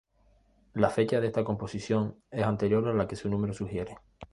La fecha de esta composición es anterior a la que su número sugiere.